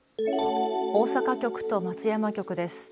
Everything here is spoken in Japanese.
大阪局と松山局です。